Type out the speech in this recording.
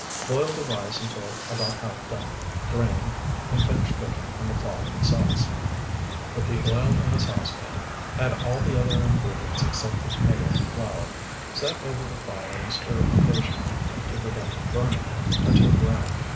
Boil the rice until about half done, drain, and finish cooking in the following sauce: Put the oil in a saucepan, add all the other ingredients except the tomato and flour; set over the fire and stir occasionally, to prevent burning, until brown.